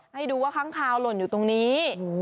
ให้ดูว่าค้างคาวหล่นอยู่ตรงนี้